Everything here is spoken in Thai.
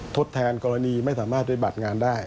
ทดแทนกรณีไม่สามารถได้บัตรงานได้